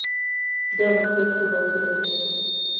دا ممکن خوب او خیال وي.